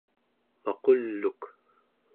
maqul'uk